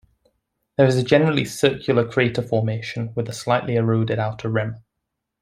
This is a generally circular crater formation with a slightly eroded outer rim.